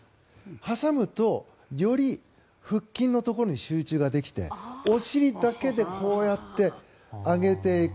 挟むとより腹筋のところに集中できてお尻だけでこうやって上げていく。